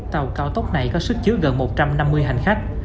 tàu cao tốc này có sức chứa gần một trăm năm mươi hành khách